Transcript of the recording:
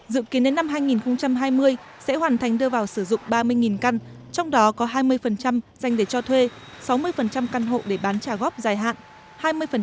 dự kiến đến năm hai nghìn hai mươi sẽ hoàn thành đưa vào sử dụng ba mươi căn trong đó có hai mươi dành để cho thuê sáu mươi căn hộ để bán trả góp dài hạn